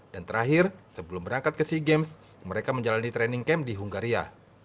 dan terakhir sebelum berangkat ke sea games mereka menjalani training camp di hungaria